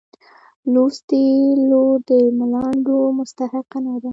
لوستې لور د ملنډو مستحقه نه ده.